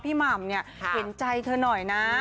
หม่ำเนี่ยเห็นใจเธอหน่อยนะ